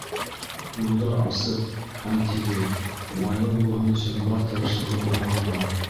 Юлдар асыҡ һәм тигеҙ, уңайлы булһын өсөн бар тырышлығын һалалар.